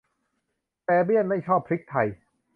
แฟเบี้ยนไม่ชอบพริกไทย